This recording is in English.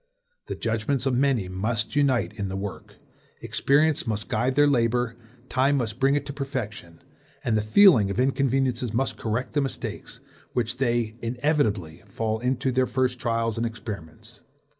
The judgments of many must unite in the work; EXPERIENCE must guide their labor; TIME must bring it to perfection, and the FEELING of inconveniences must correct the mistakes which they inevitably fall into in their first trials and experiments."